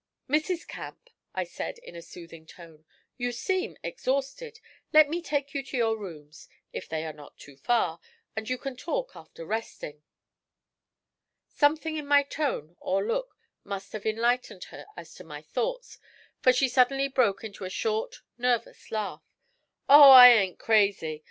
'Mrs. Camp,' I said, in a soothing tone, 'you seem exhausted; let me take you to your rooms, if they are not too far, and you can talk after resting.' Something in my tone or look must have enlightened her as to my thoughts, for she suddenly broke into a short, nervous laugh. 'Oh, I ain't crazy!